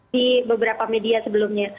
di beberapa media sebelumnya